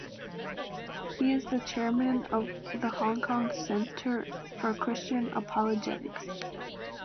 He is the Chairman of the Hong Kong Centre for Christian Apologetics.